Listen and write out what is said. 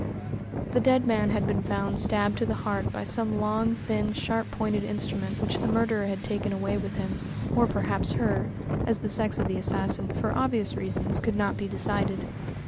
The dead man had been found stabbed to the heart by some long, thin, sharp pointed instrument which the murderer had taken away with him or perhaps her, as the sex of the assassin, for obvious reasons, could not be decided.